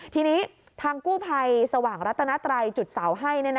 ทีนี้ทางกู้ภัยสว่างรัตนาไตรจุดเสาให้